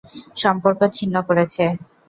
সম্পর্ক ছিন্ন করেছে।